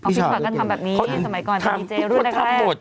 พี่ชอบก็ทำแบบนี้สมัยก่อนพี่ดีเจ้ร่วมแรกแรก